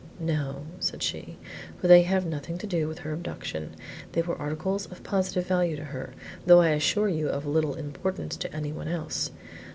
"No," said she, "for they have nothing to do with her abduction. They were articles of positive value to her, though I assure you of little importance to any one else.